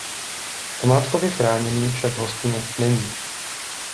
Památkově chráněný však hostinec není.